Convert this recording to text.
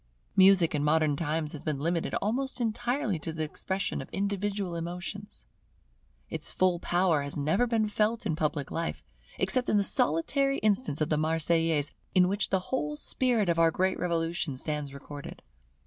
Music in modern times has been limited almost entirely to the expression of individual emotions. Its full power has never been felt in public life, except in the solitary instance of the Marseillaise, in which the whole spirit of our great Revolution stands recorded.